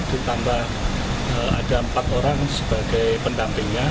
ditambah ada empat orang sebagai pendampingnya